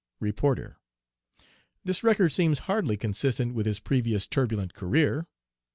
"REPORTER 'This record seems hardly consistent with his previous turbulent career.'